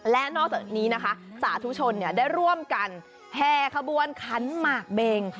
และนอกจากนี้นะคะสาธุชนได้ร่วมกันแห่ขบวนขันหมากเบง